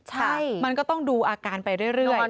ใช่มันก็ต้องดูอาการไปเรื่อย